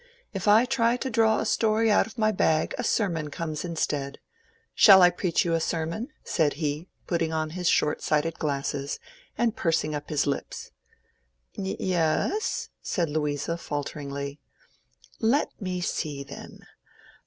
If I try to draw a story out of my bag a sermon comes instead. Shall I preach you a sermon?" said he, putting on his short sighted glasses, and pursing up his lips. "Yes," said Louisa, falteringly. "Let me see, then.